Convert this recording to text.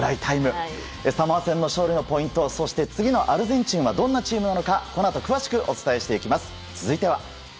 サモア戦の勝利のポイントそしてアルゼンチンはどんな相手なのかこのあと詳しくお伝えしていきます。